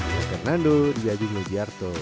tukar nando di ajin legiarto